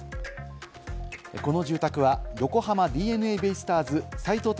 この住宅は横浜ＤｅＮＡベイスターズ斎藤隆